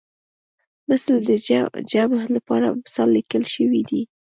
مثل د جمع لپاره امثال لیکل شوی دی